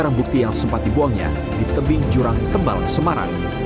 barang bukti yang sempat dibuangnya di tebing jurang tembal semarang